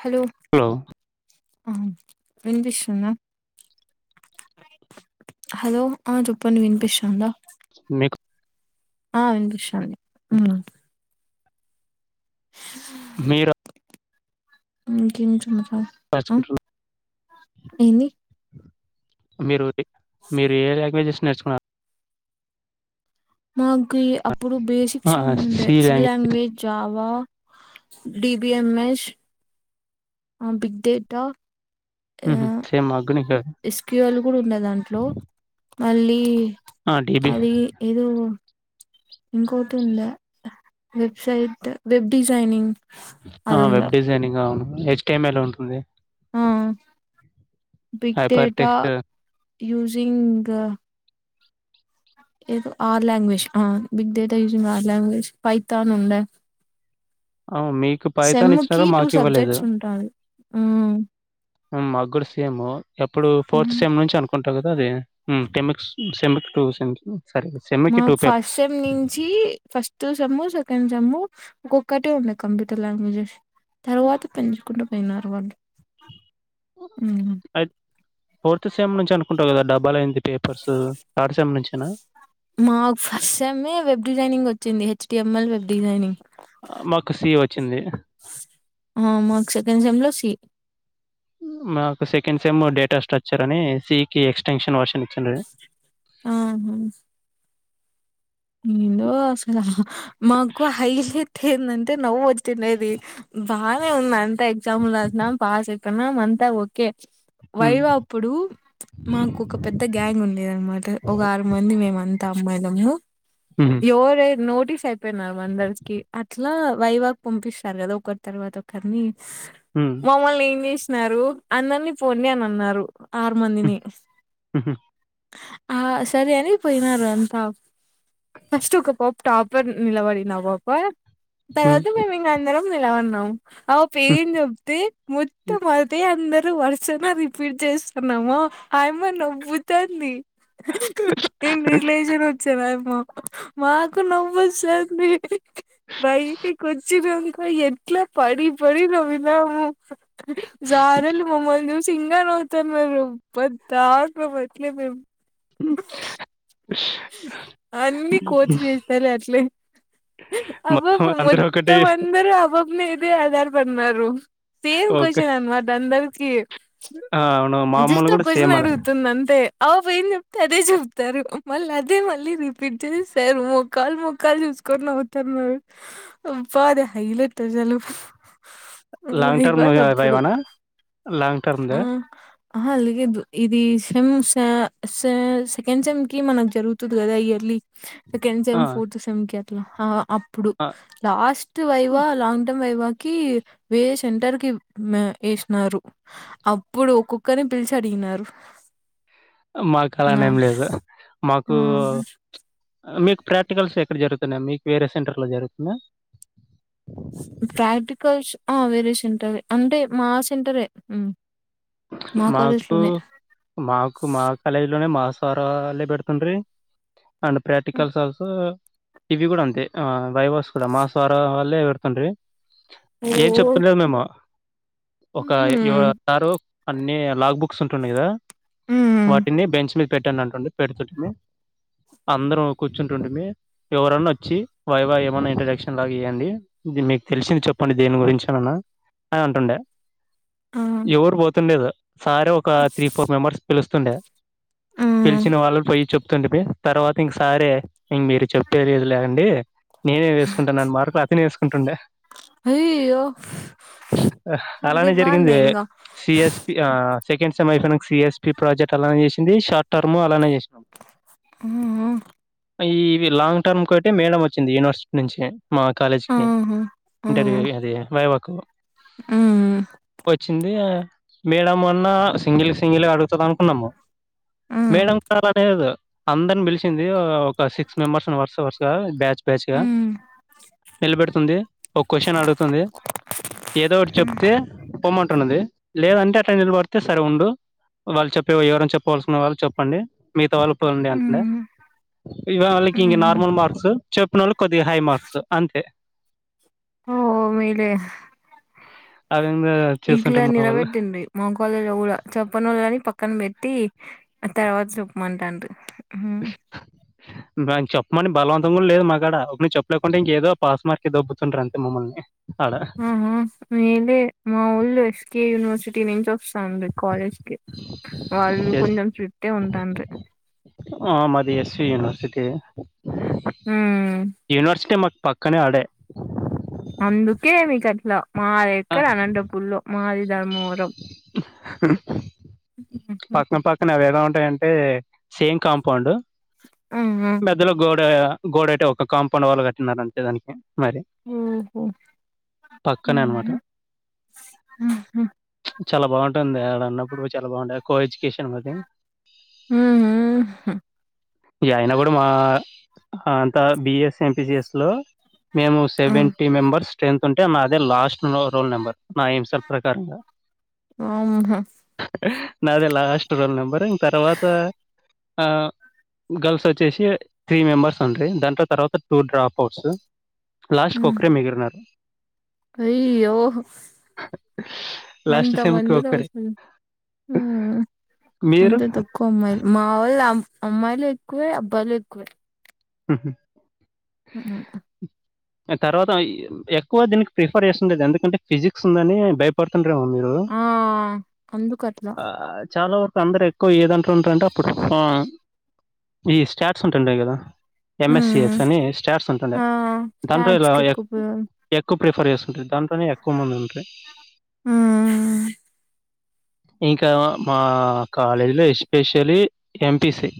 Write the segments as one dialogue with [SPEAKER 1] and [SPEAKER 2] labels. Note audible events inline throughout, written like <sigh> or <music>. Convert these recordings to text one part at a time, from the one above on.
[SPEAKER 1] Hello
[SPEAKER 2] hello
[SPEAKER 1] ఆ వినిపిస్తుందా hello ఆ చెప్పండీ వినిపిస్తుంద
[SPEAKER 2] మీకు
[SPEAKER 1] ఆ వినిపిస్తుంది
[SPEAKER 2] మీరు
[SPEAKER 1] <inaudible> ఏంది
[SPEAKER 2] మీరు డి మీరు ఏ ఏ లాంగ్వేజెస్ నేర్చుకున్నారు
[SPEAKER 1] మాకి అప్పుడు బేసిక్స్ అన్ని ఉంటాయి సివి లాంగ్వేజ్ చావా డిబిఎంఎస్ ఆ బిగ్ డేటా
[SPEAKER 2] ఉహు సేమ్ మాకు మీకు అవే
[SPEAKER 1] ఎస్క్యూలు కూడా ఉండే దాంట్లో మళ్ళీ
[SPEAKER 2] ఆ, డిబి
[SPEAKER 1] అది ఏదో ఇంకొటి ఉందా వెబ్సైట్ వెబ్ డిజైనింగ్
[SPEAKER 2] ఆ
[SPEAKER 1] అది ఉండే
[SPEAKER 2] వెబ్ డిజైనింగ్ అవును హెచ్టిఎంయల్ ఉంటుంది.
[SPEAKER 1] ఆ big
[SPEAKER 2] hyper
[SPEAKER 1] data
[SPEAKER 2] text
[SPEAKER 1] using ఏదో ఆర్లాంగ్వేజ్ ఆ big data using R language Python ఉండ
[SPEAKER 2] ఆ మీకు పైథాన్
[SPEAKER 1] సెమ్ కి
[SPEAKER 2] ఇచ్చినారా
[SPEAKER 1] టూ
[SPEAKER 2] మాకు
[SPEAKER 1] సబ్జెక్ట్స్ ఉంటాది ఉ
[SPEAKER 2] ఉమ్ మకుడా సేమ్ ఎప్పుడు ఫోర్త్ సేమ్ నుంచి అనుకుంట అదే టెమెక్స్ సెమెక్ టు సె సర
[SPEAKER 1] మాకు ఫస్ట్ సెమ్ నుంచి ఫస్ట్ సేమ్ సెకండ్ సేమ్ ఒక్కొక్కటే ఉండయి కంప్యూటర్ లాంగ్వేజెస్ తర్వాత పెంచుకుంట పోయినారు వాళ్ళు
[SPEAKER 2] అయి ఫోర్త్ సెమ్ నుంచి అనుకుంటా కదా డబుల్ అయింది పేపర్స్ థర్డ్ సేమ్ నుంచేనా
[SPEAKER 1] మాకు ఫస్ట్ సేమ్ ఏ వెబ్ డిజైనింగ్ వచ్చింది H T ML web designing
[SPEAKER 2] మాకు సి వచ్చింది
[SPEAKER 1] మా సెకడ్ సేమ్ లో సి
[SPEAKER 2] మాకు సెకండ్ సెమ్ డేటా స్ట్రచర్ అని సి కి ఎక్స్టెన్షన్ వర్షన్ ఇచ్చిన్రు
[SPEAKER 1] ఆహా ఊ ఏదో అసలు మాకు హైలైట్ అయితే ఏందంటే నవ్వొచ్చిండేది బానే ఉంది అంతా ఎగ్జాములు రాసినాం పాస్ అయిపోయినాం అంతా ఓకే
[SPEAKER 2] ఉమ్,
[SPEAKER 1] వైవా ప్పుడు మాకు ఒక పెద్ద గ్యాంగ్ ఉండేది అనమాట ఒక ఆరు మంది మేము అంతా అమ్మాయిలం లో
[SPEAKER 2] ఊ
[SPEAKER 1] డోరే నోటీస్ అయిపోయినాం అందరికీ అట్లా వైవా కి పంపిస్తారు కదా ఒకరి తర్వాత ఒకరిని
[SPEAKER 2] ఊ
[SPEAKER 1] మమ్మల్ని ఏం చేసినారు అందరినీ పోండి అని అన్నారు ఆరు
[SPEAKER 2] ఉమ్,
[SPEAKER 1] మందిని
[SPEAKER 2] ఉమ్,
[SPEAKER 1] ఆ సరే అని పోయినారు అంతా ఫస్ట్ ఒక పాప టాపర్ నిలబడింది ఆ పాప
[SPEAKER 2] ఉమ్,
[SPEAKER 1] తర్వాత మేం ఇంక అందరం నిలవడినాం అ
[SPEAKER 2] ఉమ్.
[SPEAKER 1] పేం చెప్తే మొత్తం అదే అందరు వర్సనా రిపీట్ చేస్తున్నాము ఆయమ్మ నవ్వుతాంది ఏం రిలేషన్ వచ్చేను ఆయమ్మ మాకు నవ్వొస్తాంది బైటికొచిన అంక ఎ ట్లా పడి పడి నవ్వినాము సారులు మమ్మల్ని చూ సింగా నవ్వుతన్నారు ప్రతి దాక మట్లే మేం
[SPEAKER 2] <unintelligible>
[SPEAKER 1] అన్నీ కోతి చేష్టలు అట్లే ఆ
[SPEAKER 2] మొత్తం
[SPEAKER 1] పాప
[SPEAKER 2] అందరూ ఒకటి
[SPEAKER 1] మొత్తం అందరూ ఆ పాప మీదే ఆధారపడినారు సేమ్
[SPEAKER 2] ఒక
[SPEAKER 1] క్వషన్ అనమాట అందరికీ
[SPEAKER 2] ఆ, అవును మామూలు
[SPEAKER 1] జస్ట్ ఒక
[SPEAKER 2] కూడా
[SPEAKER 1] కొషన్
[SPEAKER 2] సేమ్ అలా
[SPEAKER 1] అడుగుతుంది అంతే ఆపు ఏం చెప్తే అదే చెప్తారు మళ్ళ అదే మళ్ళీ రిపీట్ చేసాము మొఖాలు మొఖాలు చూసుకొని నవ్వుతన్నారు అబ్బా అది హైలట్ అసలు
[SPEAKER 2] లాంగ్
[SPEAKER 1] <unintelligible>
[SPEAKER 2] టర్మ్
[SPEAKER 1] గాదు అప్పుడు
[SPEAKER 2] వైవానా లాంగ్ టర్మ్
[SPEAKER 1] ఆ
[SPEAKER 2] దే
[SPEAKER 1] అహా లేదు ఇది సిమ్ సా సె సెకండ్ సెమ్ ట్లీ మనకు జరుగుతుంది కదా ఇయర్లీ సెకండ్
[SPEAKER 2] ఆ,
[SPEAKER 1] సెమ్ ఫోర్త్ సెమ్ కి అట్లా ఆ అప్పుడు
[SPEAKER 2] ఆ,
[SPEAKER 1] last viva long term viva కి వేరే సెంటర్ కి ఏసినారు అప్పుడు ఒక్కొక్కరిని పిలిచి అడిగినారు
[SPEAKER 2] మాకు అలా అని
[SPEAKER 1] నా
[SPEAKER 2] ఏం లేదు మాకు
[SPEAKER 1] ఆ
[SPEAKER 2] మీకు ప్రాక్టికల్స్ ఎక్కడ జరుగుతున్నాయి మీకు వేరే సెంటర్లో జరుగుతుందా
[SPEAKER 1] ప్రాక్టికల్స్ ఆ వేరే సెంటరే అంటే మా సెంటరే ఉమ్
[SPEAKER 2] మాకు మాకు మా కాలేజ్ లోనే మా సార్ వాళ్ళే పెడుతుండ్రి అండ్ ప్రాక్టికల్స్ ఆల్సో ఇవి కూడా అంతే ఆ వైవాస్ కూడా మా సార్ వాల్లే పెడుతుండి
[SPEAKER 1] ఓ
[SPEAKER 2] ఏం చెప్తులేదు మేము ఒక యో
[SPEAKER 1] ఉమ్
[SPEAKER 2] సారు అన్నీ లాగ్ బుక్స్ ఉంటున్నాయి కదా
[SPEAKER 1] ఉమ్
[SPEAKER 2] వాటిని బెంచ్ మీ పెట్టండి అంటుండి పెడుతుంటిమి అందరూ కూర్చుంటుంటిమి ఎవరన్నా వొచ్చి వైవా ఏమన్నా ఇంట్రడక్షన్ లాగా ఇయ్యండి ఇది మీకు తెలిసింది చెప్పండి దేని గురించి అనన్నా అని అంటుండే
[SPEAKER 1] ఆ
[SPEAKER 2] ఎవరు పోతుండేది సారే ఒక త్రీ ఫోర్ మెంబర్స్ పిలుస్తుండే
[SPEAKER 1] ఆ
[SPEAKER 2] పిలిచిన వాళ్ళు పొయ్యి చెప్ తుండిబి తర్వాత ఇంక సారే ఇంగ్ మీరు చెప్పేది లేదు లెగండి నేనే వేసుకుంటాను అని మార్కులు అతనే వేసుకుంటుండే
[SPEAKER 1] అయ్యయ్యో అదే
[SPEAKER 2] అలానే జరిగింది
[SPEAKER 1] బాగుందే ఇంగా
[SPEAKER 2] సిఎస్పి ఆ సెకండ్ సెమ్ అయిపోయిన సిఎస్పి ప్రాజెక్ట్ అలానే చేసింది షార్ట్ టర్మ్ అలానే చేసి
[SPEAKER 1] ఉమ్
[SPEAKER 2] ఆ ఈవి లాంగ్టర్మ్ అయిే మేడం వచ్చింది యూనివర్సిటీ నుంచి మా కాలేజ్కి ఇంటర్వ్యూ అది వైవాకు వచ్చింది మేడ అన్నా సింగిల్ సింగిల్ అడుగుతుంది అనుకున్నము మేడం కూడా అలానేదు అందరిని పిలిచింది ఒక సిక్స్ మెంబర్స్ వరుస వరుసగా బ్యాచ్ బ్యాచ్గా నిలబెడుతుంది ఒక క్వ్చన్ అడుగుతుంది ఏదో ఒకటి చెప్తే పోమంటున్నది లేదంటే అటెండెన్స్ పడితే సరే ఉండు వాళ్ళు చెప్పే ఎవరని చెప్పవలసిన వాళ్ళు చెప్పండి మిగతా వాళ్ళుపోండి అండి మిగతా వాళ్ళకి ఇంక నార్మల్ మార్క్స్ చెప్పినోళ్ళు కొద్దిగా హై మార్క్స్ అంతే
[SPEAKER 1] ఓ ఓ మేలే
[SPEAKER 2] ఆ విధంగా
[SPEAKER 1] ఇట్ల
[SPEAKER 2] చేస్తుంటారు మా వాళ్ళు
[SPEAKER 1] నిలబెట్టింది మగవాళ్ళనుకూడా చప్పన వాళ్ళుని పక్కన పెట్టి ఆ తర్వాత చెప్పమంట
[SPEAKER 2] చెప్పమని బలవంతం కాడా లేదు మాగడ ఒకరి చెప్పలేకుండా ఇంకేదో పాస్ మార్క్ దబ్బుతుంటరు అంతే మమ్మల్ని ఆడ
[SPEAKER 1] ఆ ఆ మేలే మా వాళ్ళు ఎస్కె యునివర్సిటీ నించి స్తాను కాలేజ్కి వాళ్ళు
[SPEAKER 2] ఎస్
[SPEAKER 1] కొంచెం స్టిటె ఉంటల్లు
[SPEAKER 2] ఆ మాది ఎస్య యునివర్సిటీ
[SPEAKER 1] హ్మ్.
[SPEAKER 2] యనివర్సిటీ మాకు పక్ కనీ ఆడే
[SPEAKER 1] అందుకే మీకు అట్లా మాది
[SPEAKER 2] ఆ,
[SPEAKER 1] ఎక్కడ అనంతపూర్ల మాది ధర్మం హుహు.
[SPEAKER 2] పక్కన పక్కన అవేదో ఉంటయంటే సేమ్ కాంపౌండ్
[SPEAKER 1] ఆహ
[SPEAKER 2] మధ్యలో గోడ గోడ అతే ఒక కాంపౌండ్ వాళ్ళు కట్టినార అంతే దానికి మరి
[SPEAKER 1] ఉమ్ పో
[SPEAKER 2] పక్కనే అనమట
[SPEAKER 1] హుహు.
[SPEAKER 2] చాలా బాగుంటది ఆక్కడ ఉన్నప్పుడు చాలా బాగుంటాయి కో ఎజ్యుకేషన్ మది
[SPEAKER 1] హుహు.
[SPEAKER 2] ఈ అయన కూడా మా అంత బిఎఎస్ ఎంపిసిఎస్లో మేము
[SPEAKER 1] ఆ!
[SPEAKER 2] సెవెంటీ మెంబర్స్ స్ట్రెంత్ ఉంటే నా అదే లాస్ట్ రోల్ నెంబర్ నా హంసాల ప్రకారంగా
[SPEAKER 1] ఆమ్
[SPEAKER 2] నాదే లాస్ట్ రోల్ నెంబర్ ఇంగ తర్వాత ఆ గర్ల్స్ వచ్చేసి త్రీ మెంబర్స్ అండి దాంట్లో తర్వత టూ డ్రాప్ అవుట్స్
[SPEAKER 1] హ్మ్.
[SPEAKER 2] లాస్ట్కొక్రే మగిరన్నారు
[SPEAKER 1] అయ్యో! అంత మందిర
[SPEAKER 2] ఒక్కరే.
[SPEAKER 1] వచ్చ ఆ
[SPEAKER 2] మీరు?
[SPEAKER 1] అంతే కోపం మా వాళ్ళు అమ్మాయిలు ఎక్కువే అబ్బాయిలు ఎక్కువే ఉమ్
[SPEAKER 2] ఇగ తర్వాత ఆ ఎక్కువ దీనికి ప్రిఫర్ చేస్తుండది ఎందుకంటే ఫిజిక్స్ ఉందని భయపడుతుండరేమో మీరు రూ
[SPEAKER 1] ఆ! అందుకట్లా.
[SPEAKER 2] ఆ చాలా వరకు అందరు క్కువ ఏదంంటలో ఉంటారంటే అప్పుడు ఈ స్టార్ట్స్ ఉంటాండ కదా ఏం ఎస్ యూస్
[SPEAKER 1] హ్మ్.
[SPEAKER 2] అని స్టార్ట్స్ ఉంటంది
[SPEAKER 1] ఆ!
[SPEAKER 2] దాంట్లో ఇలా
[SPEAKER 1] టాట్స్‌కి ఎక్కువ పోయేవాళ్ళు.
[SPEAKER 2] ఎక్కు ప్రిఫర్ చేసుంటది దాంట్లోనే ఎక్క మంది ఉంటది
[SPEAKER 1] హ్మ్.
[SPEAKER 2] ఇంకా మా కాలేజీలో especially M P C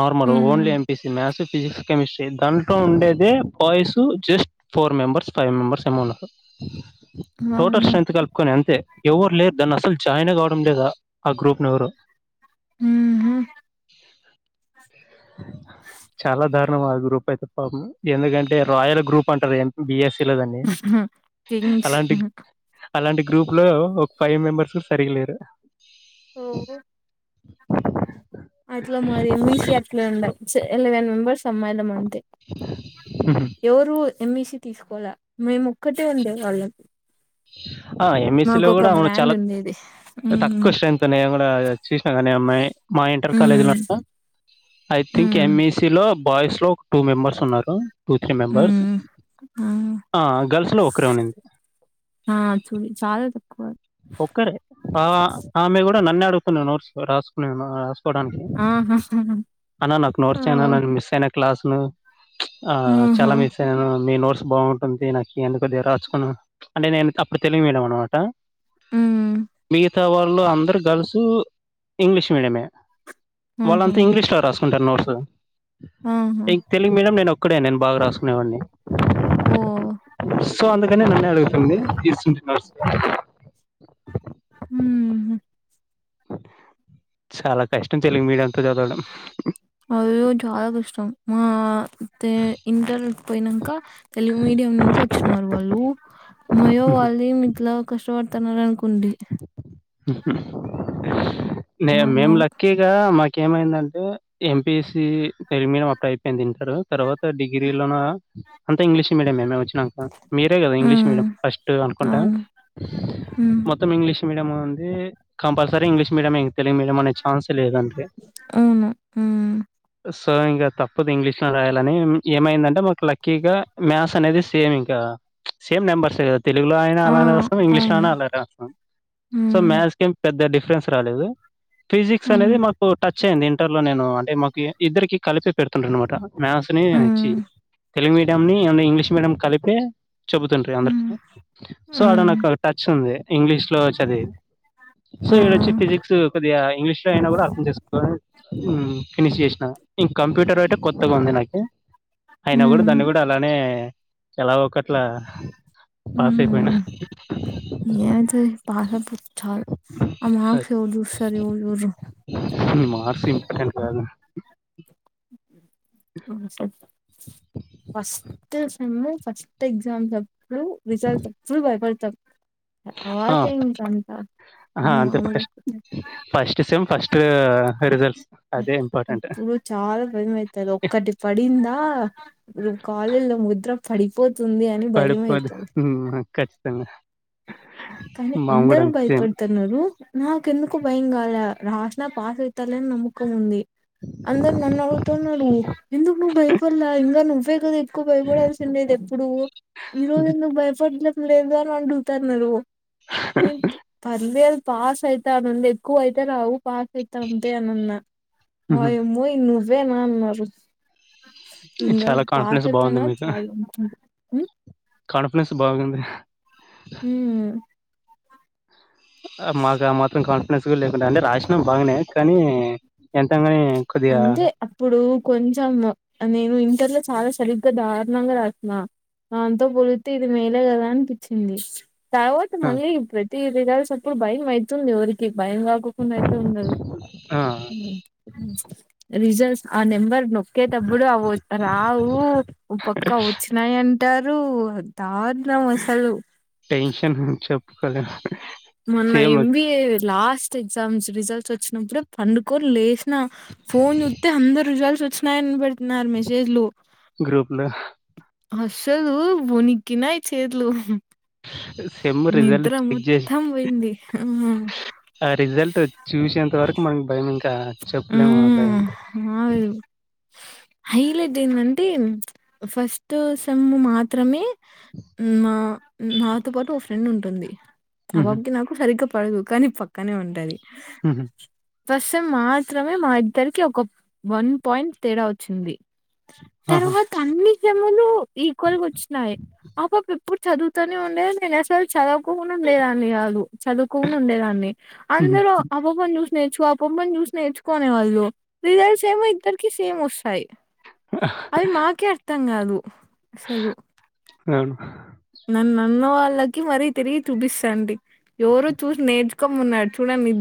[SPEAKER 2] normal
[SPEAKER 1] హ్మ్.
[SPEAKER 2] Only A P C maths physics chemistry దాంట్లో ఉండేది boys just four members five members ఏమో ఉన్నారు టోటల్
[SPEAKER 1] వామ్మో!
[SPEAKER 2] స్ట్రెంత్త్ కల్పుకొని అంతే యావర్ లేరు దాన్ని అసల్ జాయినే గావ్డం లేదా ఆ గ్రూప్ను ఎవరు
[SPEAKER 1] ఉహు
[SPEAKER 2] చాలా దారుణం ఆ గ్రూప్ అయితే పాపం ఎందుకంటే రాయార్ గ్రూప్ అంటారు దాన్ని బి ఎస్స లో దాన్ని
[SPEAKER 1] కింగ్స్.
[SPEAKER 2] అలాంటి అలాంటి గ్రూప్ లో ఒ ఫైవ్ మెంబర్సు సరిగలేరు
[SPEAKER 1] ఓహ్! అట్లా మరి ఎ మీ షి అట్లే ఉండా చ్ ఎలెవెన్ మెంబెర్స్ అమ్మాయిలం అంతే
[SPEAKER 2] ఆ
[SPEAKER 1] ఎవరు ఎం ఈ సీ తీస్కోకోలా మేము ఒక్కటే ఉండేవాళ్ళం
[SPEAKER 2] ఆ ఎం ఇ సి లో, గూడా అవును
[SPEAKER 1] బ్రాండ్
[SPEAKER 2] చాలా
[SPEAKER 1] ఉండేది ఉమ్
[SPEAKER 2] తక్వ స్ట్రెంత్ త నే గూడా చూస్న కనీ అమ్మాయి మా ఇంటర్ కాలేజ్ లో
[SPEAKER 1] um
[SPEAKER 2] I think M
[SPEAKER 1] um
[SPEAKER 2] E C లో బాయ్స్ లో టూ మెంబర్స్ ఉన్నారు టూ త్రీ మెంబెర్స్
[SPEAKER 1] ఉమ్ ఆ
[SPEAKER 2] ఆ గర్ల్స్ లో ఒకరే ఉనింది
[SPEAKER 1] ఆ చూ చాలా తక్వ
[SPEAKER 2] ఒక్కరే ఆ ఆమె గూడా నన్నే అడుతునే నోట్ రాస్కునే రాస్కోవడానికి
[SPEAKER 1] ఆ
[SPEAKER 2] అనా నాక్ నోట్స్ ఇ అనా మిస్ అయిన క్లాస్ ను ఆ
[SPEAKER 1] ఆహా
[SPEAKER 2] చాలా మిస్ అ నేను మీ నోట్స్ బావుంటుంది నాకు ఈయండీ కొద్దిగా రాస్కున్ అంటే నేను తప్పు తెలుగు మీడియం అన్మాట
[SPEAKER 1] ఉమ్
[SPEAKER 2] మిగితా వాళ్ళు అందరు గర్ల్సు ఇంగ్లీష్ మీడియమే
[SPEAKER 1] ఆహా
[SPEAKER 2] వాళ్ళంతా ఇంగ్లీష్లో రాస్కుంటారు నోట్సు
[SPEAKER 1] ఆహా
[SPEAKER 2] తెలుగు మీడియం నేన్ ఒక్కడే నేను బాగా రాస్కునేవన్నీ
[SPEAKER 1] ఓ
[SPEAKER 2] సో అందుకనే నన్నే అడుగుతుంది ఇసున్టి నాట్సు
[SPEAKER 1] ఉమ్
[SPEAKER 2] చాలా కష్టం తెలుగు మీడియంతో చదవడం
[SPEAKER 1] అయ్యోయో చాలా కష్టం మా తే ఇంటర్ పోయినంక తెలుగు మీడియం నుంచి ఒచ్చినరూ వాళ్ళు మయో వాళ్ళు మిక్లా కషవతన్నారు అన్కుంటి
[SPEAKER 2] నే మేం
[SPEAKER 1] వామ్మో
[SPEAKER 2] లక్కీ ఇగ మాకేం ఏమైందంటే M P C Telugu medium అక్క అయిపోయింది తర్వా తర్వాత డిగ్రీ లోనా అంతా ఇంగ్లీష్ మీడియమే మేం ఒచ్చి అహా మీరే గాదా ఇంగ్లీష్
[SPEAKER 1] ఉమ్
[SPEAKER 2] మీడియం ఫస్ట్ అనుకుంట
[SPEAKER 1] అవును ఉమ్
[SPEAKER 2] మొత్ ఇంగ్లీష్ మీడియమా అందీ కంపల్సరి ఇంగ్లీష్ మీడియమే ఇన్ తెలుగు మీడియం ఛాన్సులేదంటే
[SPEAKER 1] అవును. హ్మ్.
[SPEAKER 2] సో ఇంగ తప్పదు ఇంగ్లీష్ లో రాయాలని ఏమైందంటే మాకు లక్కీగా మ్యాస్ అనేది సేమ్ ఇంకా సేమ్ మెంబర్సే గ తెలుగులో అయినా
[SPEAKER 1] ఆ!
[SPEAKER 2] అలానే రాస్తాం ఇంగ్లీష్లో
[SPEAKER 1] అవును.
[SPEAKER 2] నా అలానే రాస్తాం సో
[SPEAKER 1] హ్మ్.
[SPEAKER 2] మ్యా సేమ్ పెద్ద డిఫరెన్స్ రాలేదు ఫిజిక్స్
[SPEAKER 1] హ్మ్.
[SPEAKER 2] అనేది మాక్ టచ్ అయ్యంది ఇంటర్లో నేను అంటే మాకి ఇద్దరికి కలిపి పెడ్తుంటె అన్మాటా మ్యాస్ని చ్చి
[SPEAKER 1] హ్మ్.
[SPEAKER 2] తెలుగు మీడియంని ఉన్ని ఇంగ్లీష్ మీడియం నీ కలిపి చెబుతుండ్రి అందరికి
[SPEAKER 1] హ్మ్.
[SPEAKER 2] సో ఆడ
[SPEAKER 1] హ్మ్.
[SPEAKER 2] నాకు టచ్ ఉంది ఇంగ్లీష్ లో చదివి సో
[SPEAKER 1] ఆ!
[SPEAKER 2] ఏడోచి ఫిజిక్స్ కొద్దిగా ఇంగ్లీష్ లో అయినా కూడా అర్థం చేసుకో హమ్ ఫినిష్ చేసినా ఇంక కంప్యూటర్ అయితే కొత్తగా ఉంది నాకి అయినా కూడా
[SPEAKER 1] హ్మ్.
[SPEAKER 2] దాన్ని కూడా అలానే ఎలా ఒకట్లా పాస్ అయిపోయినా
[SPEAKER 1] ఎం చే పాస్ అయిపోతే చాలు అ మార్క్స్ ఎవరు చూస్తారు ఎవరు చుడరు
[SPEAKER 2] ఠన్కు రాదు
[SPEAKER 1] ఫస్ట్ సేమ్ ఫస్ట్ ఎగ్జామ్స్ ప్పుడు రిజల్ట్ అప్పుడు భయపడతాం
[SPEAKER 2] ఆ
[SPEAKER 1] తర్వాత ఇంకంత
[SPEAKER 2] అహా అంతే
[SPEAKER 1] మామూలయిపోతది.
[SPEAKER 2] ఫస్ట్ సేమ్ ఫస్ట్ రిజల్ట్స్ అదే ఇంపార్టెంట్.
[SPEAKER 1] అప్పుడు చాలా భయం అయితారు ఒక్కటి పడిందా అప్పుడు కాలేజ్లో ముద్ర పడిపోతుంది అని
[SPEAKER 2] పడుపోది
[SPEAKER 1] భయమైతది.
[SPEAKER 2] హమ్ ఖచ్చితంగా
[SPEAKER 1] కానీ
[SPEAKER 2] మాము గూడా
[SPEAKER 1] అందరు
[SPEAKER 2] అంతే
[SPEAKER 1] భయ
[SPEAKER 2] సేమ్.
[SPEAKER 1] పడతరు ఉన్నారు నాకెందుకో భయం కాలా రాసిన పాస్ ఐతలే అని నమ్మకం ఉంది అందరు నన్న అడుగు తున్నారు ఎందుకు నువ్వు భయపడ్లా ఇంగ నువ్వే గద ఎక్కు వ భయపడాల్సి ఉండేది ఎప్పుడు ఈ రోజు ఎందుకు భయపడలే లేదు అని అడుగుతన్నారు నేను పర్లేదు పాస్ అయితా అ నుండే ఎక్కువ అయితే రావు పాస్ అయితా అంతే అనన్నా
[SPEAKER 2] హుహు.
[SPEAKER 1] వయమ్మో నువ్వే నా అన్నారు ఇంగ
[SPEAKER 2] చాలా
[SPEAKER 1] పాస్
[SPEAKER 2] కాన్ఫిడెన్స్
[SPEAKER 1] అయిపోయిన
[SPEAKER 2] బావుంది మీకు.
[SPEAKER 1] చాలు
[SPEAKER 2] కాన్ఫిడెన్స్ బాగుంది
[SPEAKER 1] హమ్
[SPEAKER 2] మాకు ఆ మాత్రం కాన్ఫిడెన్స్ గుడా లేకుండే అంటే రాసినం బాగానే కానీ ఎంత అయినగాని
[SPEAKER 1] అందే అ ఇప్పుడు కొంచెం నేను ఇంటర్ లో చాలా సరిగ్గా దారుణంగా రాసిన దాంతో పొలిస్తే ఇది మేలే కదా అనిపించింది తర్వాత
[SPEAKER 2] ఆ!
[SPEAKER 1] మళ్ళీ ప్రతి రిజల్ట్స్ అప్పుడు బయ మైతుంది ఉరికి నీకు భయం కాకోకుండా అయితే ఉండదు
[SPEAKER 2] ఆ!
[SPEAKER 1] ఉమ్ ఉమ్ రిజల్ట్స్ ఆ నెంబర్ నొక్కేటప్పుడు అ వ రావు పక్కా వచ్చినాయని టారూ దారుణం అసలు
[SPEAKER 2] టెన్షన్ చెప్పుకోలే
[SPEAKER 1] మొన్న ఎంబీఏ లాస్ట్ ఎగ్జామ్స్ రిజల్ట్స్ వచ్చినప్పుడే పండుకోని లేస్ నా ఫోన్ చుతే అందరు రిజల్ట్స్ వచ్చినాయని పెడుతున్నారు మెసేజ్లు
[SPEAKER 2] గ్రూప్ లో
[SPEAKER 1] అసలు వణికినాయి చేతులు
[SPEAKER 2] సెమ్
[SPEAKER 1] నిద్ర
[SPEAKER 2] రిజల్ట్ చెక్ జేసి
[SPEAKER 1] మొత్తం పోయింది ఉమ్
[SPEAKER 2] ఆ రిజల్ట్ చూసేంత వరకు మనకి భయం ఇంకా చెప్పలేము ఆ భయం
[SPEAKER 1] ఆ హైలైట్ ఏందంటే ఫస్ట్ సేమ్ మాత్రమే మా నాతో పాటు ఒక ఫ్రెండ్ ఉంటుంది అ
[SPEAKER 2] హుహు.
[SPEAKER 1] బాబుకి నాకు సరిగ్గా పడదు కానీ పక్కనే ఉంటది
[SPEAKER 2] హహ
[SPEAKER 1] ఫస్ట్ సెమ్ మాత్రమే మా ఇద్దరికి ఒక వన్ పాయింట్ తేడా వచ్చింది
[SPEAKER 2] ఆహా!
[SPEAKER 1] తర్వాత అన్ని ఎక్సాములు ఈక్వల్గా వచ్చినాయి ఆపాప, ఎప్పుడు, చదువుతూనే, ఉండేది. నేను, అసలు, చదువుకోకుండా ఉండేదాన్ని కాదు. చదువుకోని, ఉండేదాన్ని.
[SPEAKER 2] హుహు.
[SPEAKER 1] అందరూ, ఆ, పాపను, చూసి, నేర్చుకో, ఆ పాపనీ, చూసి, నేర్చుకునేవాళ్ళు, రిజల్ట్, ఏమో, ఇద్దరికి, సేమ్, వస్తాయి.
[SPEAKER 2] ఆహ,
[SPEAKER 1] అవి, మాకే, అర్థం, కాదు, అసలు,
[SPEAKER 2] అవును,
[SPEAKER 1] నన్ను, అన్నవాళ్ళకి, మరీ, తిరిగి, చూపిస్తండి. ఎవరు, చూసి, నేర్చు, కమ్, మన్నారు. చూడండి.